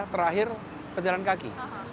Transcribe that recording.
terakhir pejalan kaki